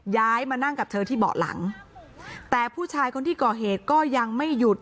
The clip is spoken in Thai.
ย้ายมานั่งกับเธอที่เบาะหลังแต่ผู้ชายคนที่ก่อเหตุก็ยังไม่หยุด